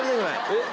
えっ？